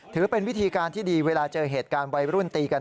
ถือเป็นวิธีการที่ดีเวลาเจอเหตุการณ์วัยรุ่นตีกัน